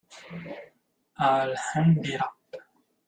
I'll hang it up.